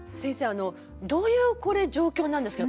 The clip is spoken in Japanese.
あのどういうこれ状況なんですか？